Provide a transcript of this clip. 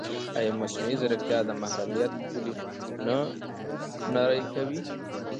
ایا مصنوعي ځیرکتیا د محرمیت پولې نه نری کوي؟